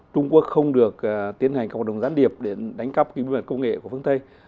trung quốc không được tiến hành các hoạt động gián điệp để đánh cắp cái bí mật công nghệ của phương tây